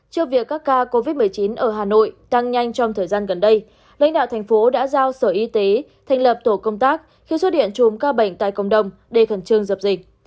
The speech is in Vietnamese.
trước việc các ca covid một mươi chín ở hà nội tăng nhanh trong thời gian gần đây lãnh đạo thành phố đã giao sở y tế thành lập tổ công tác khi xuất hiện chùm ca bệnh tại cộng đồng để khẩn trương dập dịch